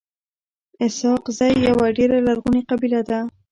اسحق زی يوه ډيره لرغوني قبیله ده.